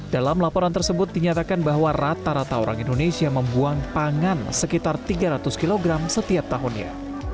dalam laporan tersebut dinyatakan bahwa rata rata orang indonesia membuang pangan sekitar tiga ratus kg setiap tahunnya